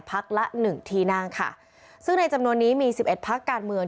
พักละ๑ที่นั่งค่ะซึ่งในจำนวนนี้มี๑๑พักการเมือง